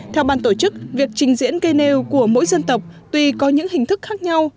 theo ban tổ chức việc trình diễn cây nêu của mỗi dân tộc tuy có những hình thức khác nhau